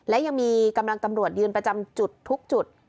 และยังมีกำลังตำรวจยืนประจำจุดทุกจุด